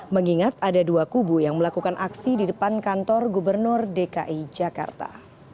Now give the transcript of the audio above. mengingat ada dua kubu yang melakukan aksi di depan kantor gubernur dki jakarta